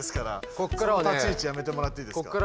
その立ち位置やめてもらっていいですか？